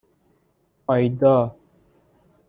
ایدا